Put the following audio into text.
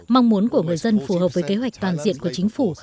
mong muốn của người dân phù hợp với kế hoạch toàn diện của chính phủ